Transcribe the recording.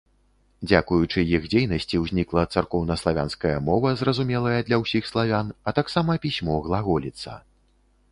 Дзякуючы іх дзейнасці ўзнікла царкоўнаславянская мова, зразумелая для ўсіх славян, а таксама пісьмо глаголіца.